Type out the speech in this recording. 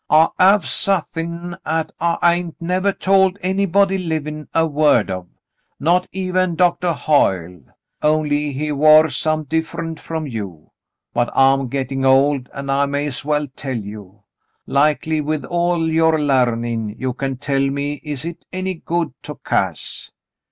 *'I have suthin' 'at I hain't nevah told anybody livin' a word of, not even Doctah Hoyle — only he war some differ'nt from you. But I'm gettin' old, an' I may as well tell you. Likely with all your larnin' you can tell me is it 82 The Mountain Girl any good to Cass.